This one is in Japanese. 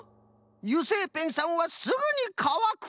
油性ペンさんはすぐにかわく。